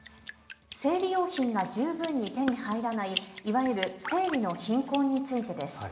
生理用品が十分に手に入らないいわゆる生理の貧困についてです。